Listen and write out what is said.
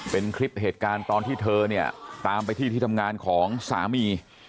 เป็นคลิปเหตุการณ์ตอนที่เธอเนี่ยตามไปที่ที่ทำงานของสามี